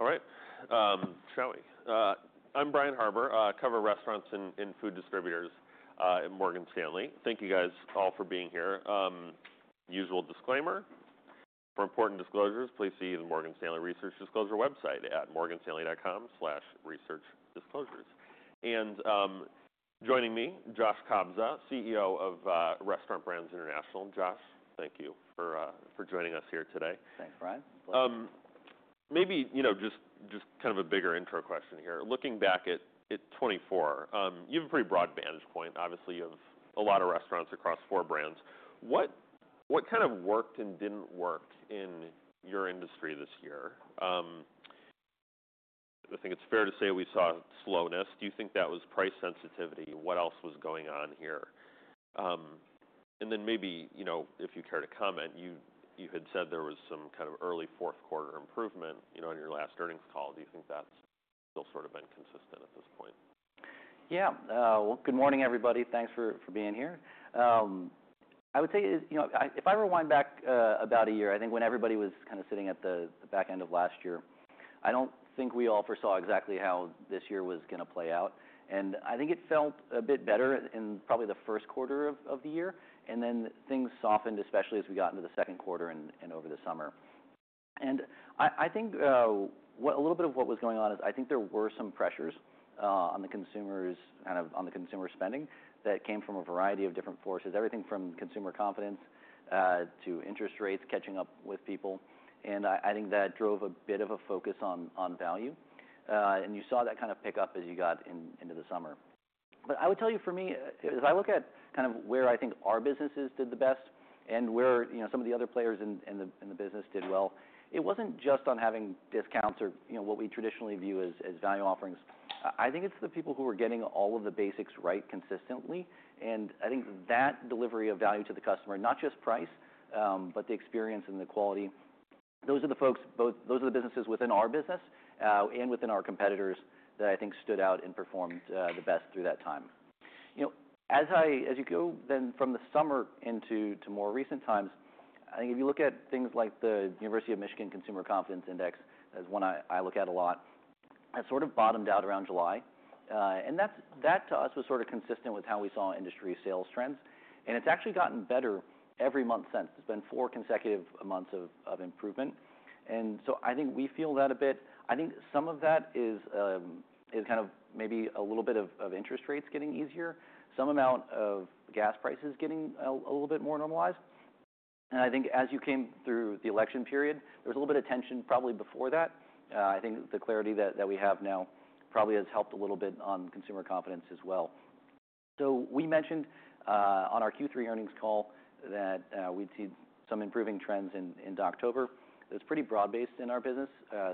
All right, shall we? I'm Brian Harbour, cover restaurants and food distributors, at Morgan Stanley. Thank you guys all for being here. Usual disclaimer. For important disclosures, please see the Morgan Stanley Research Disclosure website at morganstanley.com/researchdisclosures. Joining me, Josh Kobza, CEO of Restaurant Brands International. Josh, thank you for joining us here today. Thanks, Brian. Pleasure. Maybe, you know, just kind of a bigger intro question here. Looking back at 2024, you have a pretty broad vantage point. Obviously, you have a lot of restaurants across four brands. What kind of worked and didn't work in your industry this year? I think it's fair to say we saw slowness. Do you think that was price sensitivity? What else was going on here? And then maybe, you know, if you care to comment, you had said there was some kind of early fourth quarter improvement, you know, in your last earnings call. Do you think that's still sort of inconsistent at this point? Yeah. Well, good morning, everybody. Thanks for being here. I would say, you know, if I rewind back about a year, I think when everybody was kinda sitting at the back end of last year, I don't think we all foresaw exactly how this year was gonna play out. And I think it felt a bit better in probably the first quarter of the year. And then things softened, especially as we got into the second quarter and over the summer. And I think a little bit of what was going on is I think there were some pressures on consumers, kind of on consumer spending that came from a variety of different forces, everything from consumer confidence to interest rates catching up with people. And I think that drove a bit of a focus on value. And you saw that kind of pick up as you got into the summer. But I would tell you, for me, as I look at kind of where I think our businesses did the best and where, you know, some of the other players in the business did well, it wasn't just on having discounts or, you know, what we traditionally view as value offerings. I think it's the people who were getting all of the basics right consistently. And I think that delivery of value to the customer, not just price, but the experience and the quality, those are the folks, both those are the businesses within our business, and within our competitors that I think stood out and performed the best through that time. You know, as you go then from the summer into more recent times, I think if you look at things like the University of Michigan Consumer Confidence Index, that's one I look at a lot, that sort of bottomed out around July, and that's to us was sort of consistent with how we saw industry sales trends. It's actually gotten better every month since. There's been four consecutive months of improvement, and so I think we feel that a bit. I think some of that is kind of maybe a little bit of interest rates getting easier, some amount of gas prices getting a little bit more normalized, and I think as you came through the election period, there was a little bit of tension probably before that. I think the clarity that we have now probably has helped a little bit on consumer confidence as well. So we mentioned, on our Q3 earnings call that, we'd see some improving trends in October. It was pretty broad-based in our business.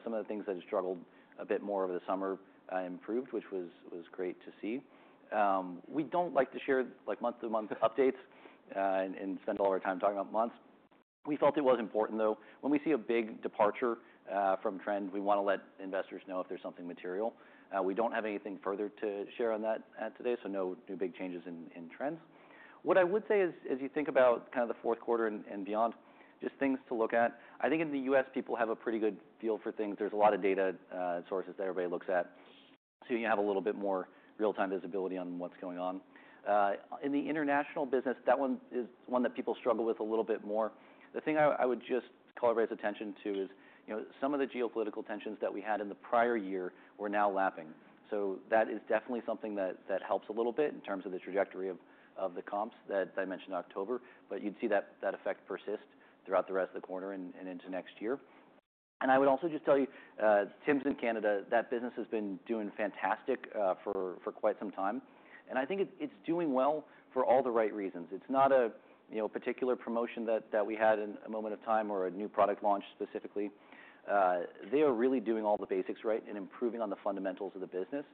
Some of the things that had struggled a bit more over the summer improved, which was great to see. We don't like to share, like, month-to-month updates and spend all our time talking about months. We felt it was important, though. When we see a big departure from trend, we wanna let investors know if there's something material. We don't have anything further to share on that today, so no new big changes in trends. What I would say is, as you think about kinda the fourth quarter and beyond, just things to look at, I think in the U.S., people have a pretty good feel for things. There's a lot of data, sources that everybody looks at, so you have a little bit more real-time visibility on what's going on. In the international business, that one is one that people struggle with a little bit more. The thing I would just call everybody's attention to is, you know, some of the geopolitical tensions that we had in the prior year were now lapping. So that is definitely something that helps a little bit in terms of the trajectory of the comps that I mentioned in October. But you'd see that effect persist throughout the rest of the quarter and into next year. And I would also just tell you, Tims in Canada. That business has been doing fantastic for quite some time. And I think it's doing well for all the right reasons. It's not a, you know, particular promotion that we had in a moment of time or a new product launch specifically. They are really doing all the basics right and improving on the fundamentals of the business.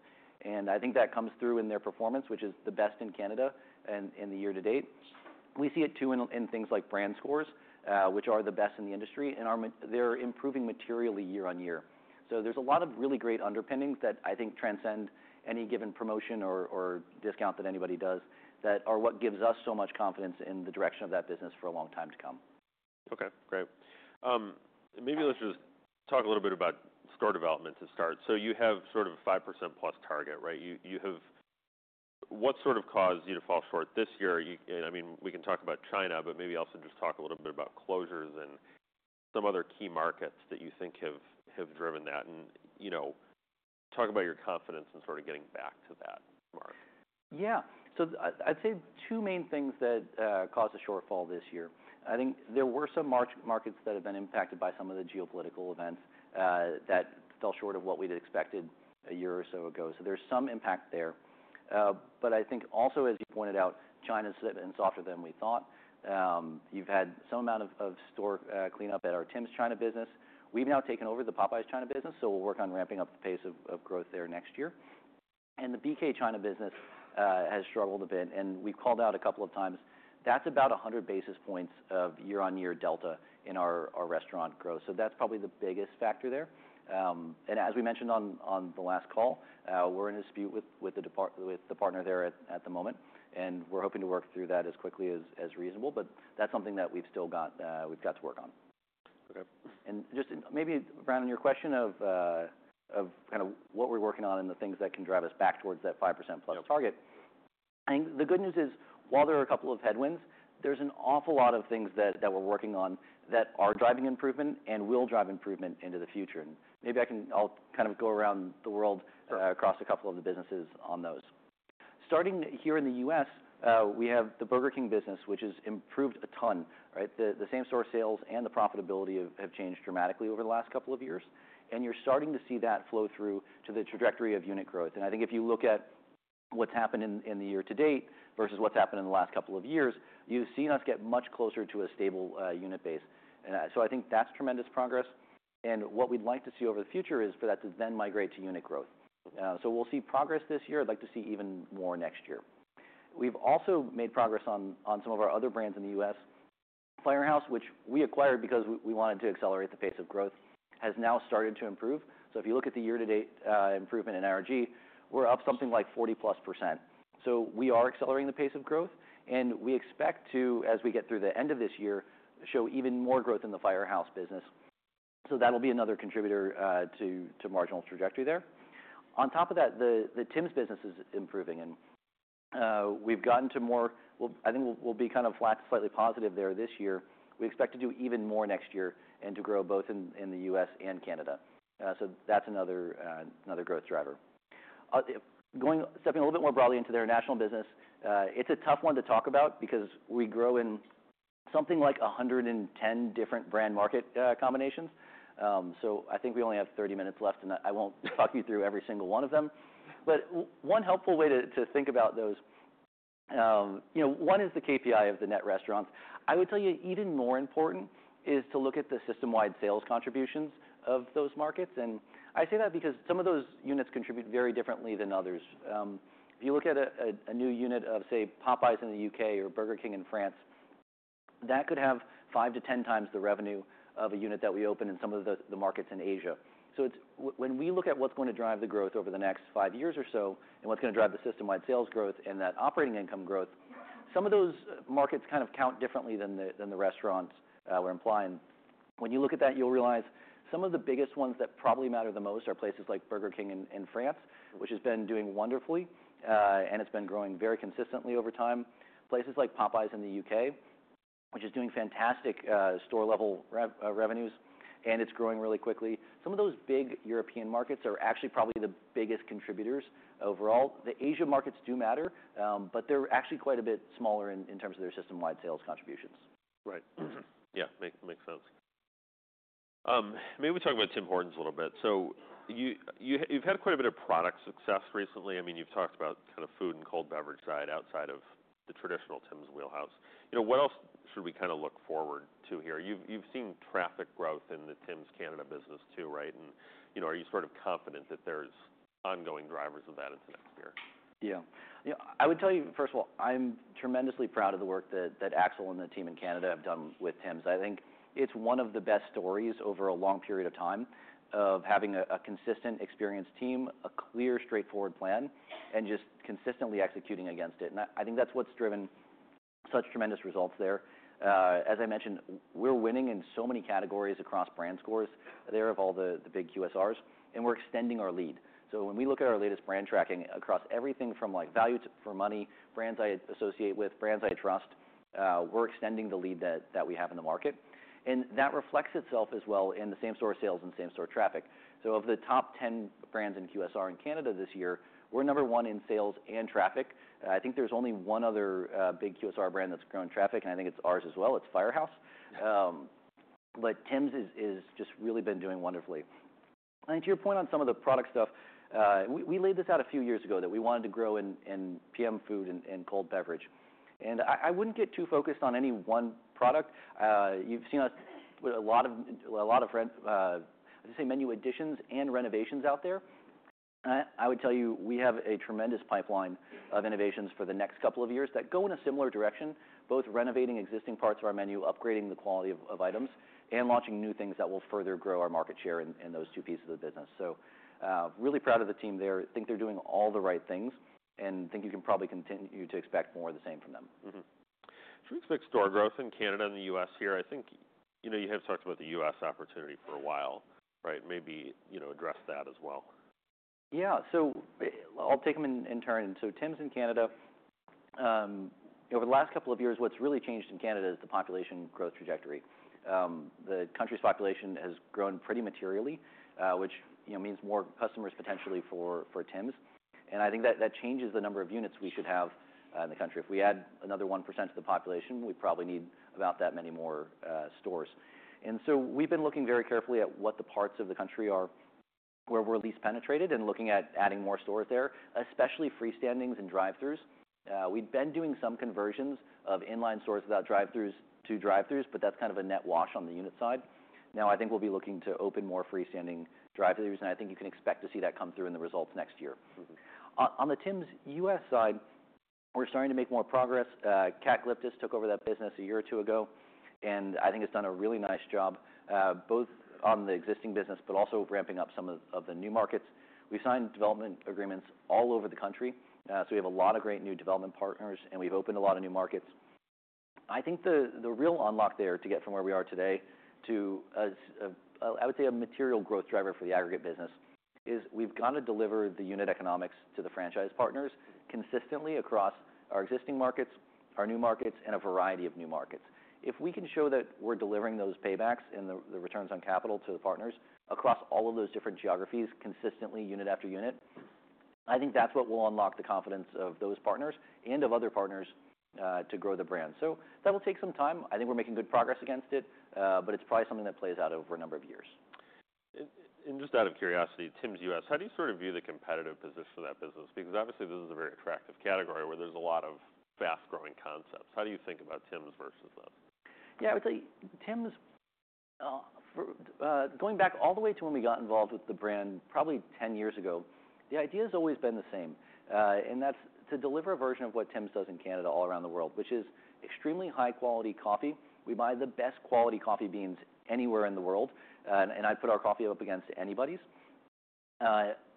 And I think that comes through in their performance, which is the best in Canada in the year to date. We see it too in things like brand scores, which are the best in the industry. And our metrics, they're improving materially year-on-year. There's a lot of really great underpinnings that I think transcend any given promotion or discount that anybody does that are what gives us so much confidence in the direction of that business for a long time to come. Okay. Great. Maybe let's just talk a little bit about store development to start. So you have sort of a 5%-plus target, right? You have what sort of caused you to fall short this year? You know, I mean, we can talk about China, but maybe also just talk a little bit about closures and some other key markets that you think have driven that. And you know, talk about your confidence in sort of getting back to that mark. Yeah. So I'd say two main things that caused a shortfall this year. I think there were some markets that have been impacted by some of the geopolitical events that fell short of what we'd expected a year or so ago. So there's some impact there. But I think also, as you pointed out, China's slipping softer than we thought. You've had some amount of store cleanup at our Tims China business. We've now taken over the Popeyes China business, so we'll work on ramping up the pace of growth there next year. And the BK China business has struggled a bit. And we've called out a couple of times. That's about 100 basis points of year-on-year delta in our restaurant growth. So that's probably the biggest factor there. As we mentioned on the last call, we're in a dispute with the partner there at the moment. We're hoping to work through that as quickly as reasonable. But that's something that we've still got to work on. Okay. Just maybe, Brian, on your question of kinda what we're working on and the things that can drive us back towards that 5%-plus target, I think the good news is, while there are a couple of headwinds, there's an awful lot of things that we're working on that are driving improvement and will drive improvement into the future. Maybe I can, I'll kind of go around the world. Sure. Across a couple of the businesses on those. Starting here in the U.S., we have the Burger King business, which has improved a ton, right? The same store sales and the profitability have changed dramatically over the last couple of years. And you're starting to see that flow through to the trajectory of unit growth. And I think if you look at what's happened in the year to date versus what's happened in the last couple of years, you've seen us get much closer to a stable unit base. And so I think that's tremendous progress. And what we'd like to see over the future is for that to then migrate to unit growth, so we'll see progress this year. I'd like to see even more next year. We've also made progress on some of our other brands in the U.S. Firehouse, which we acquired because we wanted to accelerate the pace of growth, has now started to improve. So if you look at the year-to-date improvement in NRG, we're up something like 40-plus%. So we are accelerating the pace of growth. And we expect to, as we get through the end of this year, show even more growth in the Firehouse business. So that'll be another contributor to marginal trajectory there. On top of that, the Tims business is improving. And we've gotten to more well. I think we'll be kind of flat, slightly positive there this year. We expect to do even more next year and to grow both in the U.S. and Canada. So that's another growth driver. Going, stepping a little bit more broadly into their international business, it's a tough one to talk about because we grow in something like 110 different brand-market combinations. So I think we only have 30 minutes left, and I won't talk you through every single one of them. But one helpful way to think about those, you know, one is the KPI of the net restaurants. I would tell you even more important is to look at the system-wide sales contributions of those markets. And I say that because some of those units contribute very differently than others. If you look at a new unit of, say, Popeyes in the U.K. or Burger King in France, that could have 5 to 10 times the revenue of a unit that we open in some of the markets in Asia. So it's when we look at what's going to drive the growth over the next five years or so and what's gonna drive the system-wide sales growth and that operating income growth, some of those markets kind of count differently than the restaurants we're implying. When you look at that, you'll realize some of the biggest ones that probably matter the most are places like Burger King in France, which has been doing wonderfully, and it's been growing very consistently over time. Places like Popeyes in the U.K., which is doing fantastic store-level revenues, and it's growing really quickly. Some of those big European markets are actually probably the biggest contributors overall. The Asia markets do matter, but they're actually quite a bit smaller in terms of their system-wide sales contributions. Right. Yeah. Makes sense. Maybe we talk about Tim Hortons a little bit. So you've had quite a bit of product success recently. I mean, you've talked about kinda food and cold beverage side outside of the traditional Tims wheelhouse. You know, what else should we kinda look forward to here? You've seen traffic growth in the Tims Canada business too, right? And, you know, are you sort of confident that there's ongoing drivers of that into next year? Yeah. Yeah. I would tell you, first of all, I'm tremendously proud of the work that that Axel and the team in Canada have done with Tims. I think it's one of the best stories over a long period of time of having a consistent, experienced team, a clear, straightforward plan, and just consistently executing against it. And I think that's what's driven such tremendous results there. As I mentioned, we're winning in so many categories across brand scores there of all the big QSRs. And we're extending our lead. So when we look at our latest brand tracking across everything from, like, value for money, brands I associate with, brands I trust, we're extending the lead that we have in the market. And that reflects itself as well in the same store sales and same store traffic. So of the top 10 brands in QSR in Canada this year, we're number one in sales and traffic. I think there's only one other big QSR brand that's grown traffic, and I think it's ours as well. It's Firehouse. But Tims is just really been doing wonderfully. And to your point on some of the product stuff, we laid this out a few years ago that we wanted to grow in PM food and cold beverage. And I wouldn't get too focused on any one product. You've seen us with a lot of fried, I'd say, menu additions and renovations out there. I would tell you we have a tremendous pipeline of innovations for the next couple of years that go in a similar direction, both renovating existing parts of our menu, upgrading the quality of items, and launching new things that will further grow our market share in those two pieces of the business, so really proud of the team there. I think they're doing all the right things, and I think you can probably continue to expect more of the same from them. Mm-hmm. Should we expect store growth in Canada and the U.S. here? I think, you know, you have talked about the U.S. opportunity for a while, right? Maybe, you know, address that as well. Yeah. So I'll take them in turn. And so Tims in Canada. Over the last couple of years, what's really changed in Canada is the population growth trajectory. The country's population has grown pretty materially, which, you know, means more customers potentially for Tims. And I think that changes the number of units we should have in the country. If we add another 1% to the population, we probably need about that many more stores. And so we've been looking very carefully at what the parts of the country are where we're least penetrated and looking at adding more stores there, especially freestandings and drive-throughs. We've been doing some conversions of inline stores without drive-throughs to drive-throughs, but that's kind of a net wash on the unit side. Now, I think we'll be looking to open more freestanding drive-throughs. I think you can expect to see that come through in the results next year. Mm-hmm. On the Tims US side, we're starting to make more progress. Kat Glyptis took over that business a year or two ago. And I think it's done a really nice job, both on the existing business but also ramping up some of the new markets. We've signed development agreements all over the country. So we have a lot of great new development partners, and we've opened a lot of new markets. I think the real unlock there to get from where we are today to a I would say a material growth driver for the aggregate business is we've gotta deliver the unit economics to the franchise partners consistently across our existing markets, our new markets, and a variety of new markets. If we can show that we're delivering those paybacks and the returns on capital to the partners across all of those different geographies consistently, unit after unit, I think that's what will unlock the confidence of those partners and of other partners, to grow the brand. So that'll take some time. I think we're making good progress against it, but it's probably something that plays out over a number of years. Just out of curiosity, Tims U.S., how do you sort of view the competitive position of that business? Because obviously, this is a very attractive category where there's a lot of fast-growing concepts. How do you think about Tims versus them? Yeah. I would say Tims for going back all the way to when we got involved with the brand probably 10 years ago, the idea has always been the same, and that's to deliver a version of what Tims does in Canada all around the world, which is extremely high-quality coffee. We buy the best quality coffee beans anywhere in the world, and I'd put our coffee up against anybody's,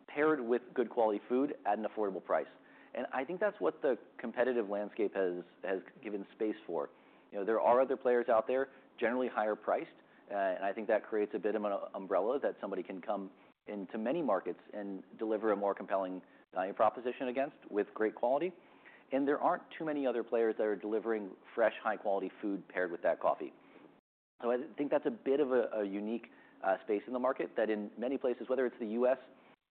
paired with good quality food at an affordable price, and I think that's what the competitive landscape has given space for. You know, there are other players out there, generally higher priced, and I think that creates a bit of an umbrella that somebody can come into many markets and deliver a more compelling value proposition against with great quality. And there aren't too many other players that are delivering fresh, high-quality food paired with that coffee. So I think that's a bit of a unique space in the market that in many places, whether it's the U.S.,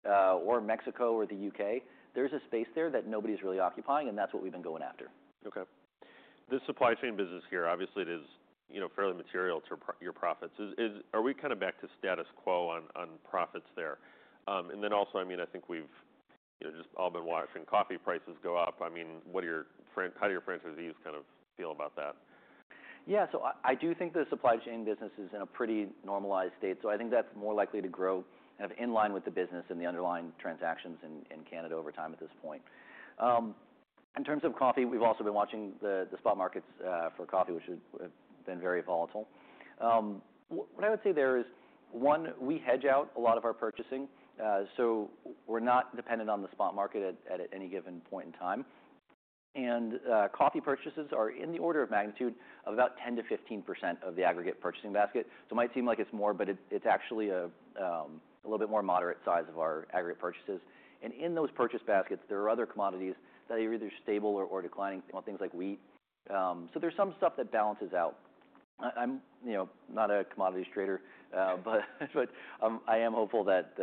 or Mexico or the U.K., there's a space there that nobody's really occupying. And that's what we've been going after. Okay. This supply chain business here, obviously, it is, you know, fairly material to your profits. Are we kinda back to status quo on profits there? and then also, I mean, I think we've, you know, just all been watching coffee prices go up. I mean, what are your franchisees? How do your franchisees kind of feel about that? Yeah. So I do think the supply chain business is in a pretty normalized state. So I think that's more likely to grow kind of in line with the business and the underlying transactions in Canada over time at this point. In terms of coffee, we've also been watching the spot markets for coffee, which have been very volatile. What I would say there is, one, we hedge out a lot of our purchasing. So we're not dependent on the spot market at any given point in time, and coffee purchases are in the order of magnitude of about 10%-15% of the aggregate purchasing basket. So it might seem like it's more, but it's actually a little bit more moderate size of our aggregate purchases. And in those purchase baskets, there are other commodities that are either stable or declining, you know, things like wheat, so there's some stuff that balances out. I'm, you know, not a commodities trader, but I am hopeful that,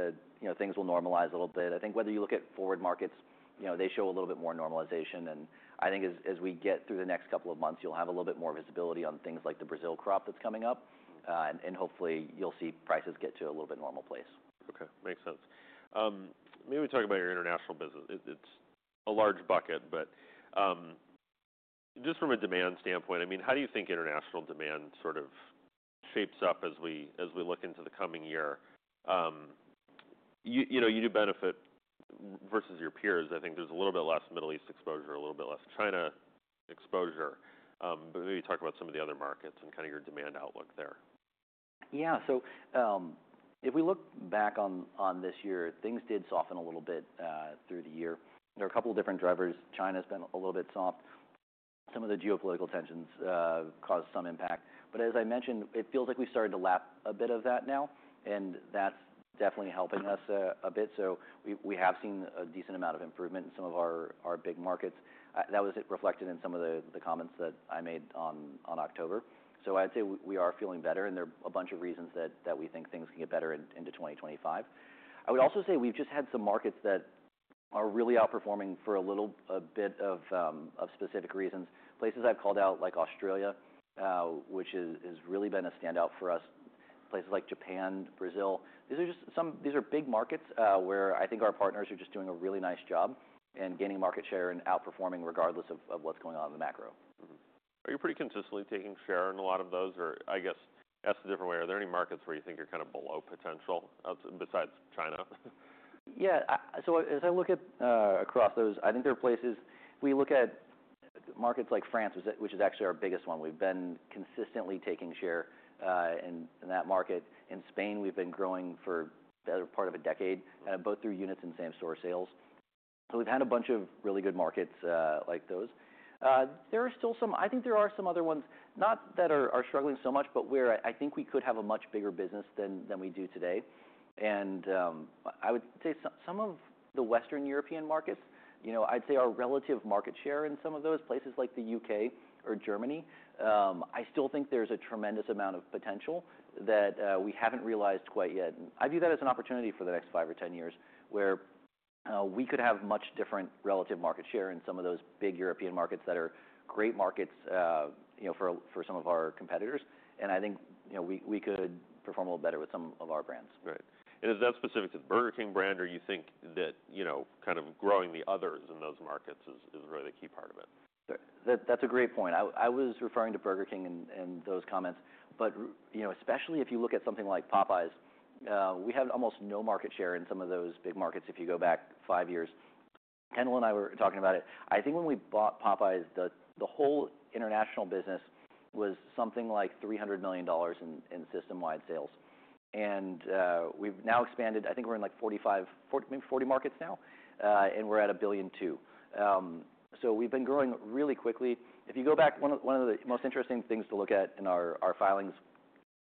you know, things will normalize a little bit. I think whether you look at forward markets, you know, they show a little bit more normalization. And I think as we get through the next couple of months, you'll have a little bit more visibility on things like the Brazil crop that's coming up, and hopefully, you'll see prices get to a little bit normal place. Okay. Makes sense. Maybe we talk about your international business. It's a large bucket, but just from a demand standpoint, I mean, how do you think international demand sort of shapes up as we look into the coming year? You know, you do benefit versus your peers. I think there's a little bit less Middle East exposure, a little bit less China exposure. But maybe talk about some of the other markets and kinda your demand outlook there. Yeah. So, if we look back on this year, things did soften a little bit through the year. There are a couple of different drivers. China's been a little bit soft. Some of the geopolitical tensions caused some impact. But as I mentioned, it feels like we've started to lap a bit of that now. And that's definitely helping us a bit. So we have seen a decent amount of improvement in some of our big markets. That was reflected in some of the comments that I made on October. So I'd say we are feeling better. And there are a bunch of reasons that we think things can get better into 2025. I would also say we've just had some markets that are really outperforming for a little bit of specific reasons. Places I've called out, like Australia, which has really been a standout for us. Places like Japan, Brazil. These are just some big markets, where I think our partners are just doing a really nice job and gaining market share and outperforming regardless of what's going on in the macro. Mm-hmm. Are you pretty consistently taking share in a lot of those? Or I guess asked a different way. Are there any markets where you think you're kinda below potential outside besides China? Yeah. So as I look at across those, I think there are places we look at markets like France, which is actually our biggest one. We've been consistently taking share in that market. In Spain, we've been growing for the other part of a decade, both through units and same store sales. So we've had a bunch of really good markets, like those. There are still some. I think there are some other ones, not that are struggling so much, but where I think we could have a much bigger business than we do today. I would say some of the Western European markets, you know. I'd say our relative market share in some of those places like the U.K., or Germany, I still think there's a tremendous amount of potential that we haven't realized quite yet. I view that as an opportunity for the next five or 10 years where we could have much different relative market share in some of those big European markets that are great markets, you know, for some of our competitors. I think, you know, we could perform a little better with some of our brands. Right, and is that specific to the Burger King brand, or you think that, you know, kind of growing the others in those markets is really the key part of it? That's a great point. I was referring to Burger King and those comments. But you know, especially if you look at something like Popeyes, we have almost no market share in some of those big markets if you go back five years. Kendall and I were talking about it. I think when we bought Popeyes, the whole international business was something like $300 million in system-wide sales. And we've now expanded. I think we're in like 45, 40 maybe 40 markets now, and we're at $1 billion too. So we've been growing really quickly. If you go back, one of the most interesting things to look at in our filings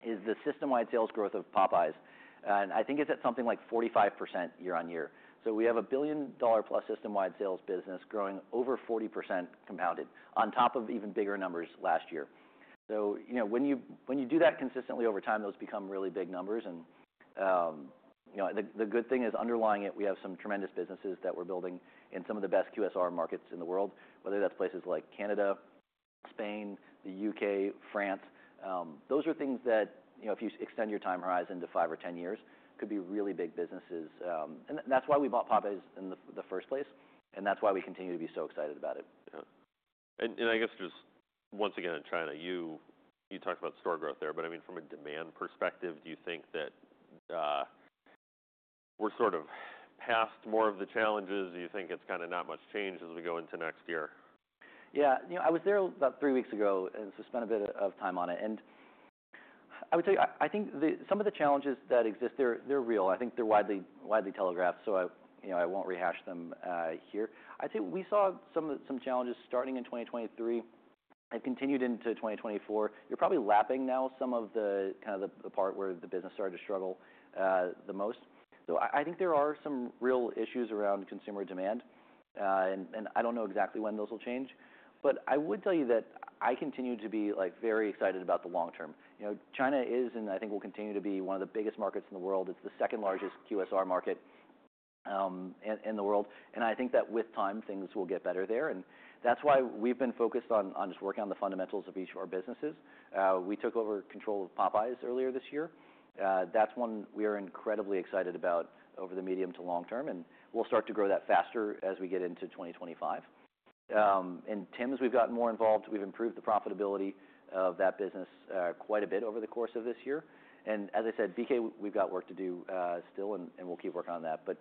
is the system-wide sales growth of Popeyes. And I think it's at something like 45% year-on-year. So we have a billion-dollar-plus system-wide sales business growing over 40% compounded on top of even bigger numbers last year. So, you know, when you do that consistently over time, those become really big numbers. And, you know, the good thing is underlying it, we have some tremendous businesses that we're building in some of the best QSR markets in the world, whether that's places like Canada, Spain, the U.K., France. Those are things that, you know, if you extend your time horizon to five or 10 years, could be really big businesses. And that's why we bought Popeyes in the first place. And that's why we continue to be so excited about it. Yeah. And I guess just once again, in China, you talked about store growth there. But I mean, from a demand perspective, do you think that we're sort of past more of the challenges? Do you think it's kinda not much change as we go into next year? Yeah. You know, I was there about three weeks ago and so spent a bit of time on it, and I would say I think some of the challenges that exist, they're real. I think they're widely telegraphed, so you know, I won't rehash them here. I'd say we saw some challenges starting in 2023 and continued into 2024. You're probably lapping now some of the kinda the part where the business started to struggle the most, so I think there are some real issues around consumer demand, and I don't know exactly when those will change, but I would tell you that I continue to be like very excited about the long term. You know, China is, and I think will continue to be, one of the biggest markets in the world. It's the second largest QSR market in the world, and I think that with time, things will get better there. That's why we've been focused on just working on the fundamentals of each of our businesses. We took over control of Popeyes earlier this year. That's one we are incredibly excited about over the medium to long term. We'll start to grow that faster as we get into 2025, and Tims, we've gotten more involved. We've improved the profitability of that business quite a bit over the course of this year. As I said, BK, we've got work to do still, and we'll keep working on that. But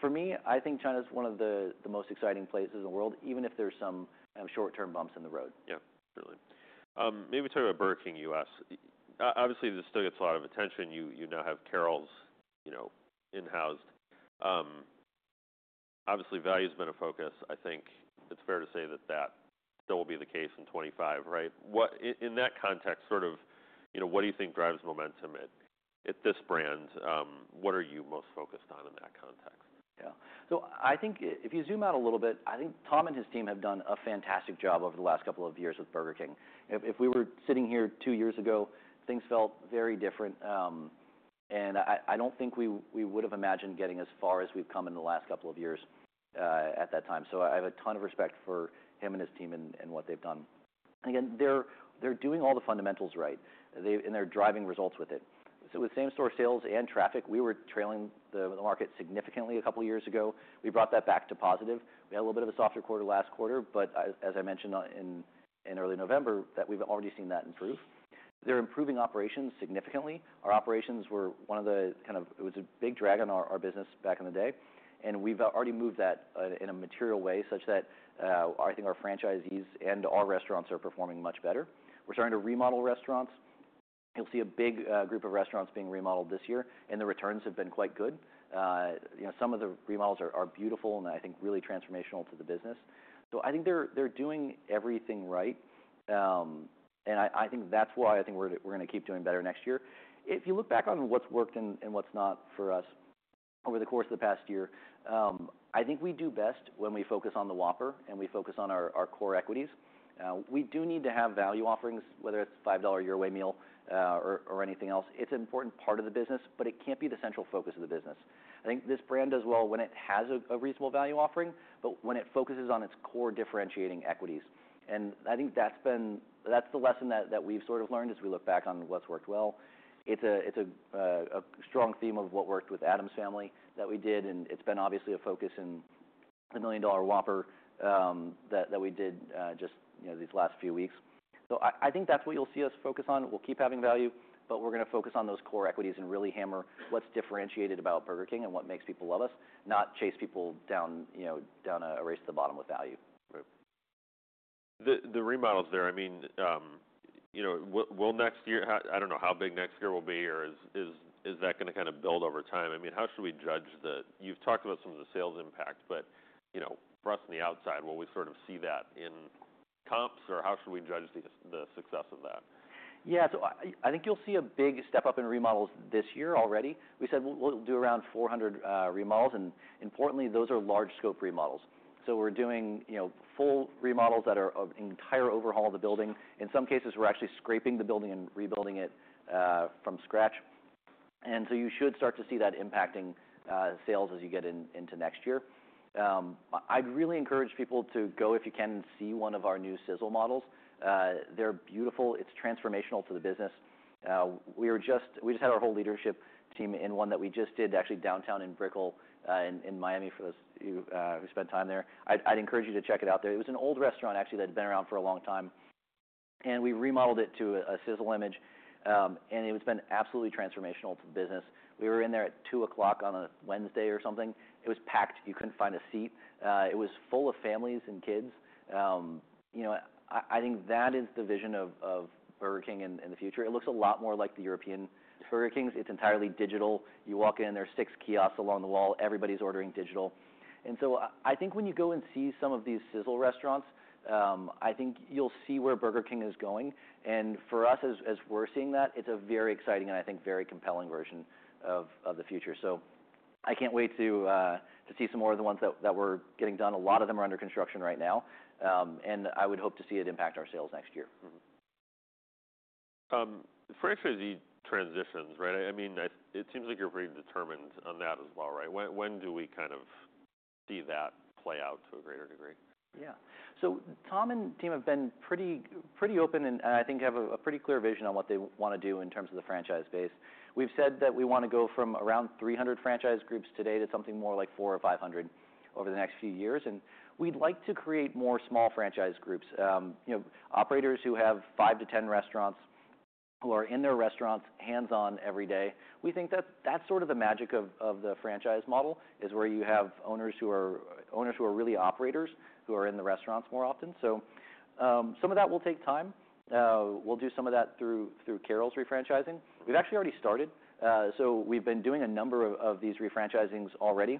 for me, I think China's one of the most exciting places in the world, even if there's some short-term bumps in the road. Yeah. Really. Maybe we talk about Burger King U.S. Obviously, this still gets a lot of attention. You now have Carrols, you know, in-house. Obviously, value's been a focus. I think it's fair to say that that still will be the case in 2025, right? What in that context, sort of, you know, what do you think drives momentum at this brand? What are you most focused on in that context? Yeah. So I think if you zoom out a little bit, I think Tom and his team have done a fantastic job over the last couple of years with Burger King. If we were sitting here two years ago, things felt very different, and I don't think we would've imagined getting as far as we've come in the last couple of years at that time. So I have a ton of respect for him and his team and what they've done. Again, they're doing all the fundamentals right. They're driving results with it. So with same store sales and traffic, we were trailing the market significantly a couple of years ago. We brought that back to positive. We had a little bit of a softer quarter last quarter. But as I mentioned in early November, that we've already seen that improve. They're improving operations significantly. Our operations were one of the kind of it was a big drag on our business back in the day. And we've already moved that in a material way such that, I think our franchisees and our restaurants are performing much better. We're starting to remodel restaurants. You'll see a big group of restaurants being remodeled this year. And the returns have been quite good. You know, some of the remodels are beautiful and I think really transformational to the business. So I think they're doing everything right. And I think that's why I think we're gonna keep doing better next year. If you look back on what's worked and what's not for us over the course of the past year, I think we do best when we focus on the Whopper and we focus on our core equities. We do need to have value offerings, whether it's a $5 Your Way Meal, or anything else. It's an important part of the business, but it can't be the central focus of the business. I think this brand does well when it has a reasonable value offering, but when it focuses on its core differentiating equities. I think that's the lesson that we've sort of learned as we look back on what's worked well. It's a strong theme of what worked with Addams Family that we did. And it's been obviously a focus in the Million Dollar Whopper, that we did, just, you know, these last few weeks. So I think that's what you'll see us focus on. We'll keep having value, but we're gonna focus on those core equities and really hammer what's differentiated about Burger King and what makes people love us, not chase people down, you know, down a race to the bottom with value. Right. The remodels there, I mean, you know, will next year have? I don't know how big next year will be or is that gonna kinda build over time? I mean, how should we judge that you've talked about some of the sales impact, but, you know, for us on the outside, will we sort of see that in comps or how should we judge the success of that? Yeah. I think you'll see a big step up in remodels this year already. We said we'll do around 400 remodels. And importantly, those are large-scope remodels. We're doing, you know, full remodels that are of entire overhaul of the building. In some cases, we're actually scraping the building and rebuilding it from scratch. You should start to see that impacting sales as you get into next year. I'd really encourage people to go, if you can, and see one of our new Sizzle models. They're beautiful. It's transformational to the business. We just had our whole leadership team in one that we just did actually downtown in Brickell, in Miami for those of you who spent time there. I'd encourage you to check it out there. It was an old restaurant, actually, that had been around for a long time, and we remodeled it to a, a Sizzle image, and it's been absolutely transformational to the business. We were in there at 2:00 P.M. on a Wednesday or something. It was packed. You couldn't find a seat. It was full of families and kids. You know, I, I think that is the vision of, of Burger King in, in the future. It looks a lot more like the European Burger Kings. It's entirely digital. You walk in, there's six kiosks along the wall. Everybody's ordering digital, and so I, I think when you go and see some of these Sizzle restaurants, I think you'll see where Burger King is going, and for us, as, as we're seeing that, it's a very exciting and I think very compelling version of, of the future. So I can't wait to see some more of the ones that we're getting done. A lot of them are under construction right now, and I would hope to see it impact our sales next year. Franchisee transitions, right? I mean, it seems like you're pretty determined on that as well, right? When do we kind of see that play out to a greater degree? Yeah. So Tom and team have been pretty open and I think have a pretty clear vision on what they wanna do in terms of the franchise base. We've said that we wanna go from around 300 franchise groups today to something more like four or 500 over the next few years. And we'd like to create more small franchise groups, you know, operators who have five to 10 restaurants who are in their restaurants hands-on every day. We think that that's sort of the magic of the franchise model is where you have owners who are owners who are really operators who are in the restaurants more often. So, some of that will take time. We'll do some of that through Carrols refranchising. We've actually already started, so we've been doing a number of these refranchisings already.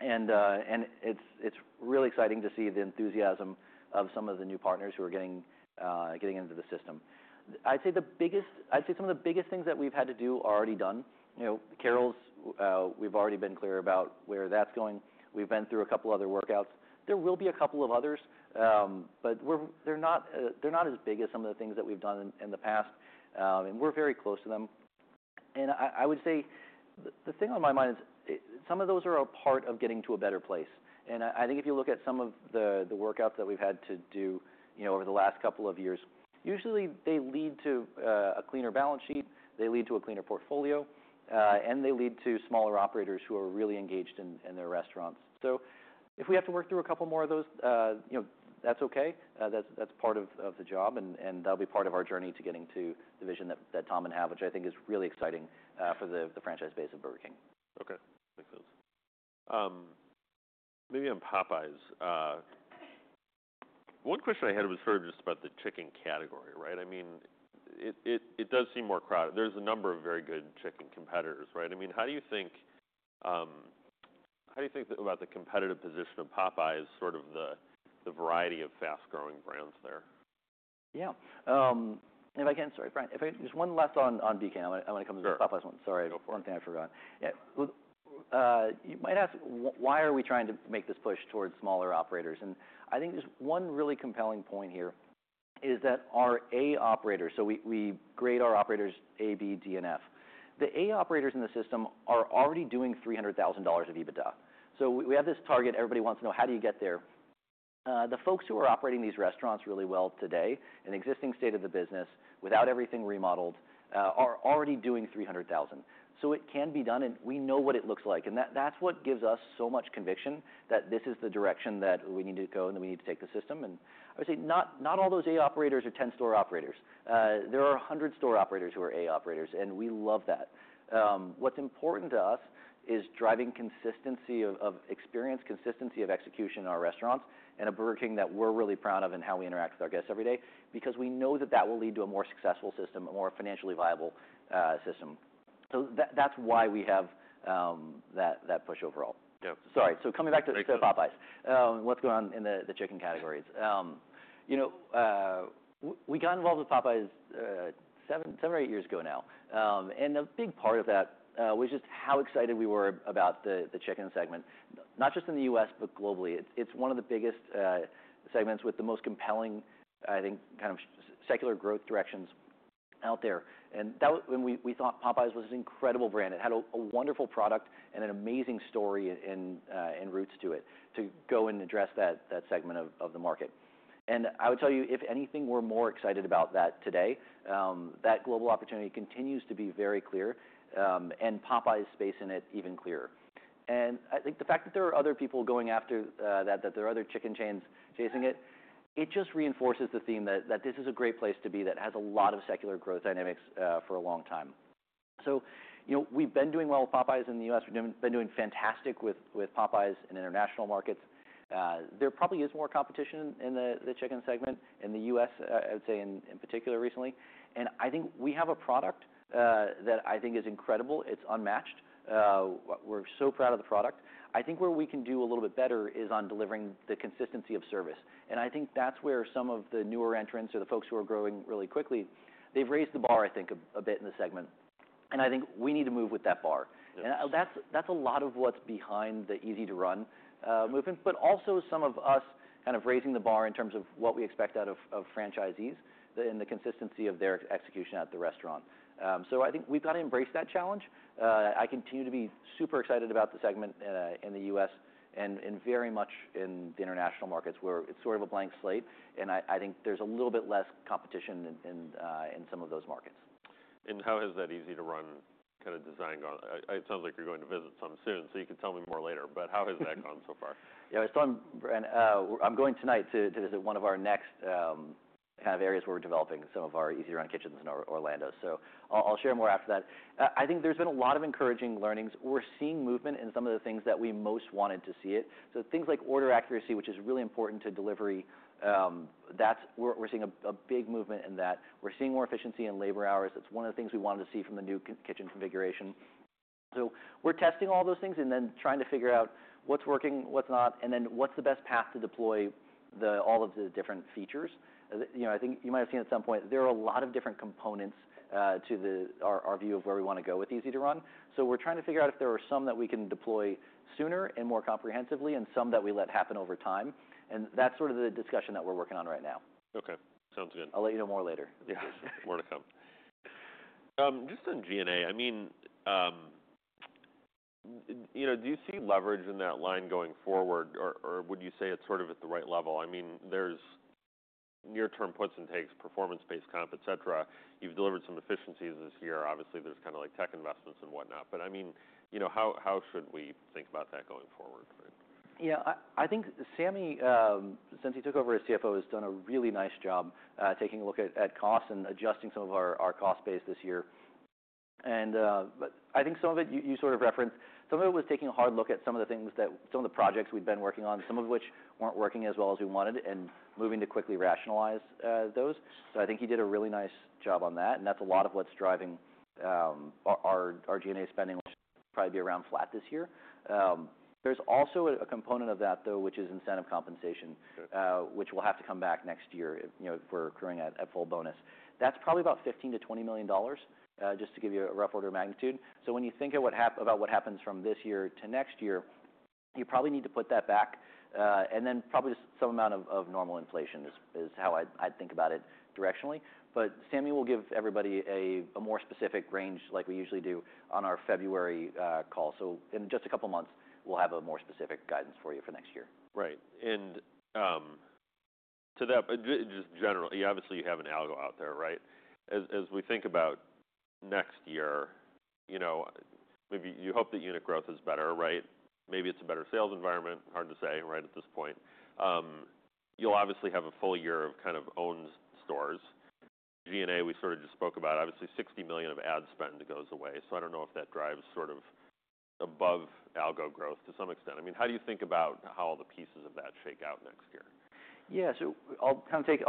It's really exciting to see the enthusiasm of some of the new partners who are getting into the system. I'd say some of the biggest things that we've had to do are already done. You know, Carrols, we've already been clear about where that's going. We've been through a couple other workouts. There will be a couple of others, but they're not as big as some of the things that we've done in the past, and we're very close to them. I would say the thing on my mind is, some of those are a part of getting to a better place. I think if you look at some of the workouts that we've had to do, you know, over the last couple of years, usually they lead to a cleaner balance sheet. They lead to a cleaner portfolio. And they lead to smaller operators who are really engaged in their restaurants. So if we have to work through a couple more of those, you know, that's okay. That's part of the job. And that'll be part of our journey to getting to the vision that Tom and I have, which I think is really exciting for the franchise base of Burger King. Okay. Makes sense. Maybe on Popeyes, one question I had was sort of just about the chicken category, right? I mean, it does seem more crowded. There's a number of very good chicken competitors, right? I mean, how do you think about the competitive position of Popeyes, sort of the variety of fast-growing brands there? Yeah. If I can, sorry, Brian, if I just one last on BK. I'm gonna come to the Popeyes one. Sorry. No problem. One thing I forgot. Yeah. You might ask why are we trying to make this push towards smaller operators? And I think there's one really compelling point here is that our A operator so we grade our operators A, B, D, and F. The A operators in the system are already doing $300,000 of EBITDA. So we have this target. Everybody wants to know how do you get there. The folks who are operating these restaurants really well today in existing state of the business without everything remodeled are already doing $300,000. So it can be done. And we know what it looks like. And that, that's what gives us so much conviction that this is the direction that we need to go and that we need to take the system. And I would say not all those A operators are 10-store operators. There are 100-store operators who are A operators. And we love that. What's important to us is driving consistency of experience, consistency of execution in our restaurants and a Burger King that we're really proud of and how we interact with our guests every day because we know that that will lead to a more successful system, a more financially viable system. So that's why we have that push overall. Yeah. Sorry. So coming back to Popeyes, what's going on in the chicken categories? You know, we got involved with Popeyes seven or eight years ago now. And a big part of that was just how excited we were about the chicken segment, not just in the U.S., but globally. It's one of the biggest segments with the most compelling, I think, kind of secular growth directions out there. And then when we thought Popeyes was an incredible brand. It had a wonderful product and an amazing story and roots to it to go and address that segment of the market. And I would tell you, if anything, we're more excited about that today. That global opportunity continues to be very clear, and Popeyes' space in it even clearer. I think the fact that there are other people going after that there are other chicken chains chasing it, it just reinforces the theme that this is a great place to be that has a lot of secular growth dynamics for a long time. You know, we've been doing well with Popeyes in the U.S. We've been doing fantastic with Popeyes in international markets. There probably is more competition in the chicken segment in the U.S., I would say in particular recently. I think we have a product that I think is incredible. It's unmatched. We're so proud of the product. I think where we can do a little bit better is on delivering the consistency of service. And I think that's where some of the newer entrants or the folks who are growing really quickly, they've raised the bar, I think, a bit in the segment. And I think we need to move with that bar. Yeah. That's a lot of what's behind the Easy-to-Run movement, but also some of us kind of raising the bar in terms of what we expect out of franchisees in the consistency of their execution at the restaurant. So I think we've gotta embrace that challenge. I continue to be super excited about the segment in the U.S. and very much in the international markets where it's sort of a blank slate. I think there's a little bit less competition in some of those markets. How has that easy-to-run kinda design gone? It sounds like you're going to visit some soon, so you can tell me more later. How has that gone so far? Yeah. I was telling Brand, I'm going tonight to visit one of our next, kind of areas where we're developing some of our Easy-to-Run kitchens in Orlando. So I'll share more after that. I think there's been a lot of encouraging learnings. We're seeing movement in some of the things that we most wanted to see. So things like order accuracy, which is really important to delivery, that's where we're seeing a big movement in that. We're seeing more efficiency in labor hours. That's one of the things we wanted to see from the new kitchen configuration. So we're testing all those things and then trying to figure out what's working, what's not, and then what's the best path to deploy all of the different features. You know, I think you might have seen at some point there are a lot of different components to our view of where we wanna go with easy-to-run. So we're trying to figure out if there are some that we can deploy sooner and more comprehensively and some that we let happen over time. And that's sort of the discussion that we're working on right now. Okay. Sounds good. I'll let you know more later. Yeah. More to come. Just on G&A, I mean, you know, do you see leverage in that line going forward or would you say it's sort of at the right level? I mean, there's near-term puts and takes, performance-based comp, etc. You've delivered some efficiencies this year. Obviously, there's kinda like tech investments and whatnot. But I mean, you know, how should we think about that going forward? Yeah. I think Sami, since he took over as CFO, has done a really nice job, taking a look at costs and adjusting some of our cost base this year. And, but I think some of it you sort of referenced. Some of it was taking a hard look at some of the things that some of the projects we'd been working on, some of which weren't working as well as we wanted, and moving to quickly rationalize those. So I think he did a really nice job on that. And that's a lot of what's driving our G&A spending, which should probably be around flat this year. There's also a component of that, though, which is incentive compensation, which will have to come back next year, you know, if we're accruing at full bonus. That's probably about $15-20 million, just to give you a rough order of magnitude. So when you think of what happens from this year to next year, you probably need to put that back, and then probably just some amount of normal inflation is how I think about it directionally. But Sami will give everybody a more specific range like we usually do on our February call. So in just a couple months, we'll have a more specific guidance for you for next year. Right. And, to that, just generally, obviously, you have an algo out there, right? As we think about next year, you know, maybe you hope that unit growth is better, right? Maybe it's a better sales environment. Hard to say right at this point. You'll obviously have a full year of kind of owned stores. G&A, we sort of just spoke about, obviously, $60 million of ad spend goes away. So I don't know if that drives sort of above algo growth to some extent. I mean, how do you think about how all the pieces of that shake out next year? Yeah. So I'll kinda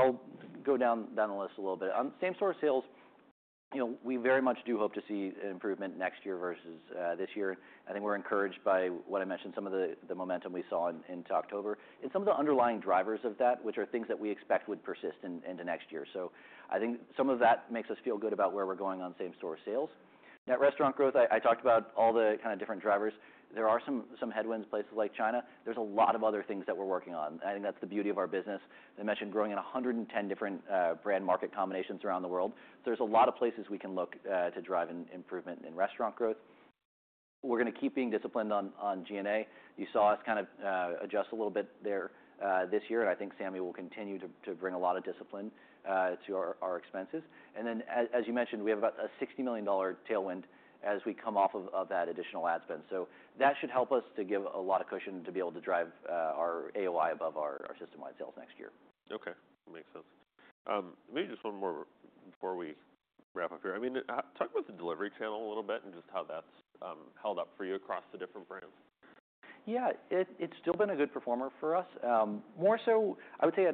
go down the list a little bit. On same-store sales, you know, we very much do hope to see an improvement next year versus this year. I think we're encouraged by what I mentioned, some of the momentum we saw in October, and some of the underlying drivers of that, which are things that we expect would persist into next year. So I think some of that makes us feel good about where we're going on same-store sales. Net restaurant growth, I talked about all the kinda different drivers. There are some headwinds, places like China. There's a lot of other things that we're working on. I think that's the beauty of our business. I mentioned growing in 110 different brand market combinations around the world. There's a lot of places we can look to drive an improvement in restaurant growth. We're gonna keep being disciplined on G&A. You saw us kinda adjust a little bit there this year. I think Sami will continue to bring a lot of discipline to our expenses. As you mentioned, we have about a $60 million tailwind as we come off of that additional ad spend. That should help us to give a lot of cushion to be able to drive our AOI above our system-wide sales next year. Okay. Makes sense. Maybe just one more before we wrap up here. I mean, talk about the delivery channel a little bit and just how that's held up for you across the different brands. Yeah. It's still been a good performer for us, more so, I would say,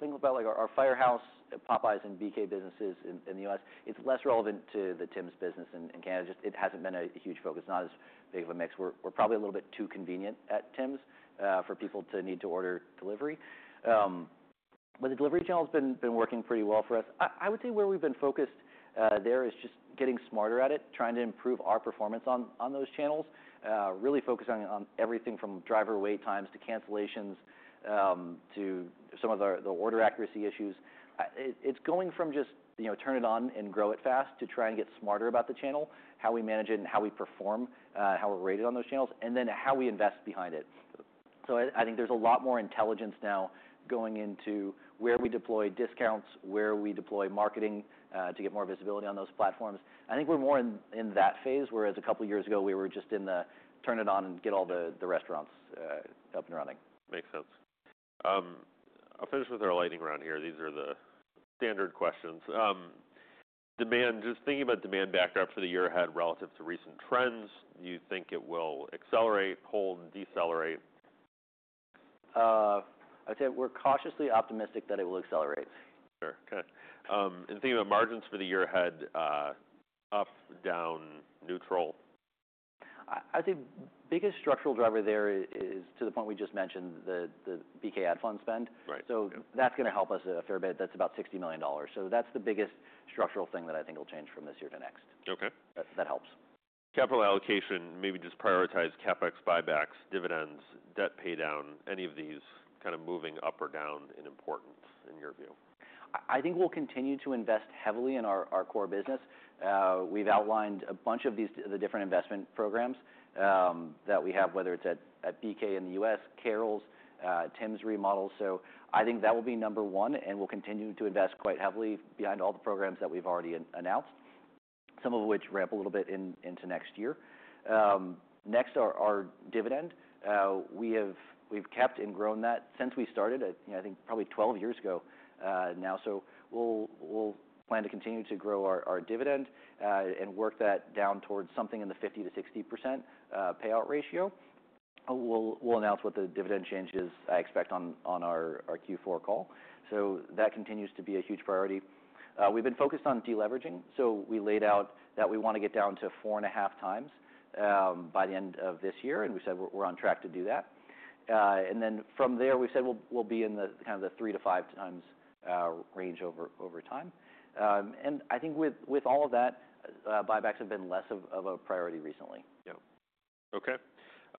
think about, like, our Firehouse, Popeyes, and BK businesses in the U.S. It's less relevant to the Tims business in Canada. Just it hasn't been a huge focus. Not as big of a mix. We're probably a little bit too convenient at Tims for people to need to order delivery, but the delivery channel's been working pretty well for us. I would say where we've been focused there is just getting smarter at it, trying to improve our performance on those channels, really focusing on everything from driver wait times to cancellations to some of our the order accuracy issues. It's going from just, you know, turn it on and grow it fast to try and get smarter about the channel, how we manage it and how we perform, how we're rated on those channels, and then how we invest behind it. So I think there's a lot more intelligence now going into where we deploy discounts, where we deploy marketing, to get more visibility on those platforms. I think we're more in that phase, whereas a couple years ago, we were just in the turn it on and get all the restaurants up and running. Makes sense. I'll finish with our lightning round here. These are the standard questions. Demand, just thinking about demand backdrop for the year ahead relative to recent trends, do you think it will accelerate, hold, and decelerate? I'd say we're cautiously optimistic that it will accelerate. Sure. Okay. And thinking about margins for the year ahead, up, down, neutral? I think biggest structural driver there is to the point we just mentioned, the BK ad fund spend. Right. So that's gonna help us a fair bit. That's about $60 million. So that's the biggest structural thing that I think will change from this year to next. Okay. That helps. Capital allocation, maybe just prioritize CapEx, buybacks, dividends, debt pay down, any of these kinda moving up or down in importance in your view? I think we'll continue to invest heavily in our core business. We've outlined a bunch of these different investment programs that we have, whether it's at BK in the U.S., Carrols, Tims remodels. So I think that will be number one. And we'll continue to invest quite heavily behind all the programs that we've already announced, some of which ramp a little bit into next year. Next, our dividend. We've kept and grown that since we started, you know, I think probably 12 years ago now. So we'll plan to continue to grow our dividend and work that down towards something in the 50%-60% payout ratio. We'll announce what the dividend change is, I expect, on our Q4 call. So that continues to be a huge priority. We've been focused on deleveraging. So we laid out that we wanna get down to four and a half times by the end of this year. And we said we're on track to do that. And then from there, we said we'll be in the kind of the three to five times range over time. And I think with all of that, buybacks have been less of a priority recently. Yeah. Okay.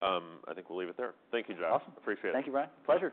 I think we'll leave it there. Thank you, Josh. Awesome. Appreciate it. Thank you, Brian. Pleasure.